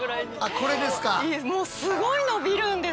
これですか。